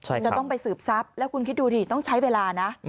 จะต้องไปสืบทรัพย์แล้วคุณคิดดูดิต้องใช้เวลานะ